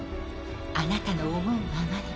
あなたの思うままに。